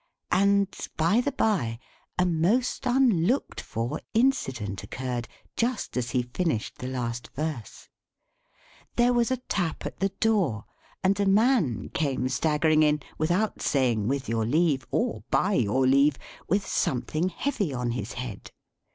And, by the by, a most unlooked for incident occurred, just as he finished the last verse. There was a tap at the door; and a man came staggering in, without saying with your leave, or by your leave, with something heavy on his head.